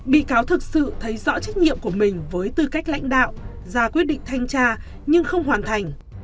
bị cáo thực sự thấy rõ trách nhiệm của mình với tư cách lãnh đạo ra quyết định thanh tra nhưng không hoàn thành